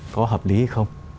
có hợp lý không